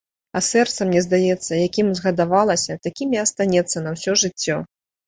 А сэрца, мне здаецца, якім узгадавалася, такім і астанецца на ўсё жыццё.